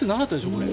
これ。